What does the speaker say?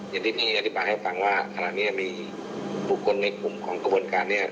อย่างที่พี่อธิบายให้ฟังว่าขณะนี้มีบุคคลในกลุ่มของกระบวนการเนี่ย